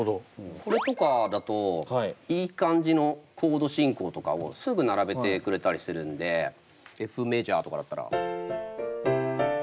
これとかだといい感じのコード進行とかをすぐ並べてくれたりするんでＦメジャーとかだったら。